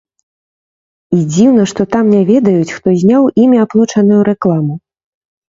І дзіўна, што там не ведаюць, хто зняў імі аплочаную рэкламу.